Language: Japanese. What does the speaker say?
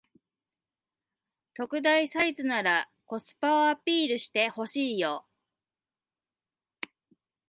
特大サイズならコスパをアピールしてほしいよ